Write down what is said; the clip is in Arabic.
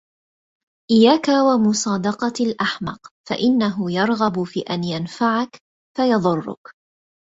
إياك ومصادقة الأحمق فإنه يرغب في أن ينفعك فيضرك.